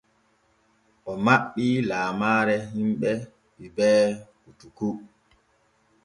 O maɓɓii laamaare hiɓɓe Hubert koutoukou.